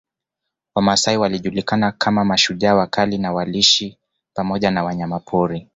Wamasai walijulikana kama mashujaa wakali na waliishi pamoja na wanyamapori